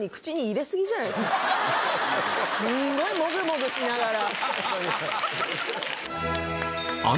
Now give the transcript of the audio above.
スゴいもぐもぐしながら。